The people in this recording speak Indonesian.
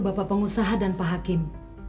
bapak pengusaha dan pak hakim